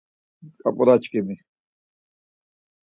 Ǩap̌ulaçkimi...